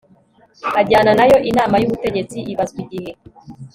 ajyana nayo inama y ubutegetsi ibazwa igihe